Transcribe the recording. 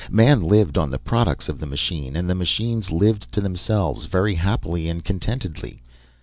Man lived on the products of the machine, and the machines lived to themselves very happily, and contentedly.